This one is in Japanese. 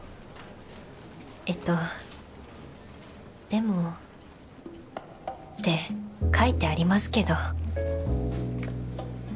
えっとでもって書いてありますけど